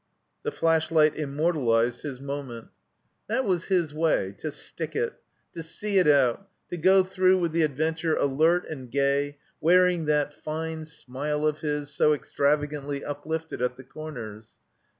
The flashlight immortalized his moment. That was his way — ^to stick it; to see it out; to go through with the adventure alert and gay, wear ax THE COMBINED MAZE ing that fine smile of his, so extravagantly uplifted at the corners.